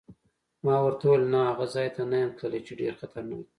ما ورته وویل: نه، هغه ځای ته نه یم تللی چې ډېر خطرناک دی.